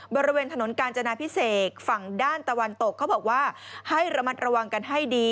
บริเวณถนนกาญจนาพิเศษฝั่งด้านตะวันตกเขาบอกว่าให้ระมัดระวังกันให้ดี